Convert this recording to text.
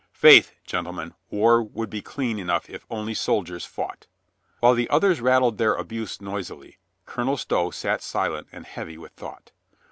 Faith, gentle men, war would be clean enough if only soldiers fought." While the others rattled their abuse noisily, Colonel Stow sat silent and heavy with thought.